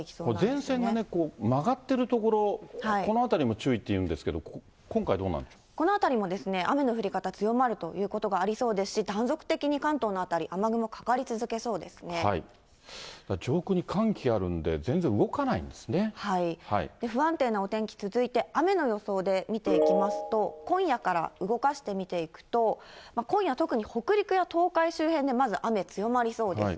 前線がこう曲がってる所、この辺りも注意っていうんですけど、この辺りも雨の降り方、強まるということがありそうですし、断続的に関東の辺り、雨雲かかり上空に寒気あるんで、不安定なお天気続いて、雨の予想で見ていきますと、今夜から動かして見ていくと、今夜、特に北陸や東海周辺で、まず、雨、強まりそうです。